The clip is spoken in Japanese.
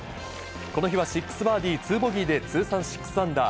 この日は６バーディー２ボギーで、通算６アンダー。